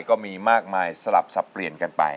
ก็มีมากมายสลับสับเปลี่ยนกันไป